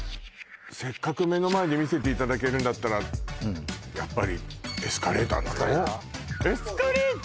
せっかく目の前で見せていただけるんだったらやっぱりエスカレーターなのかな